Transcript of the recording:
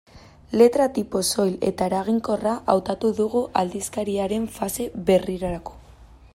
Letra-tipo soil eta eraginkorra hautatu dugu aldizkariaren fase berrirako.